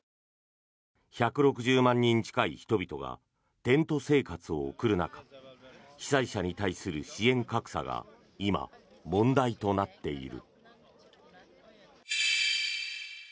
１６０万人近い人々がテント生活を送る中被災者に対する支援格差が今、問題となっている。